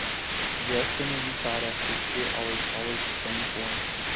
Dressed in a yukata, his skit always follows the same form.